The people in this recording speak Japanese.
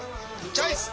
チョイス！